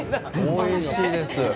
おいしいですね